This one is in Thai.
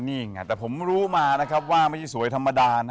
นี่ไงแต่ผมรู้มานะครับว่าไม่ใช่สวยธรรมดานะ